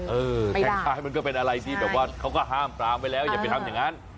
ท้ายมันก็เป็นอะไรที่แบบว่าเขาก็ห้ามปรามไว้แล้วอย่าไปทำอย่างนั้น